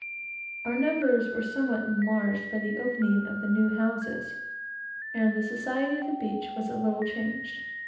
Our numbers were somewhat enlarged by the opening of the new houses, and the society of the beach a little changed.